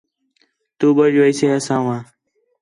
تُو بچ ویسے اَساں وا